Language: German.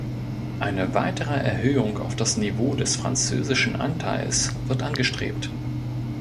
Eine weitere Erhöhung auf das Niveau des französischen Anteils wird angestrebt.